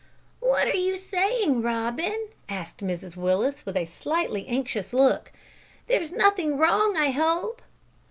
"What are you saying, Robin?" asked Mrs Willis, with a slightly anxious look. "There's nothing wrong, I hope?"